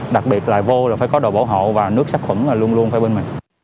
đặc biệt là vô là phải có đồ bảo hộ và nước sát khuẩn luôn luôn phải bên mình